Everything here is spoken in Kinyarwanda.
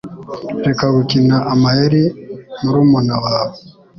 Reka gukina amayeri murumuna wawe.